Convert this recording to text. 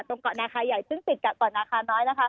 เกาะนาคาใหญ่ซึ่งติดกับเกาะนาคาน้อยนะคะ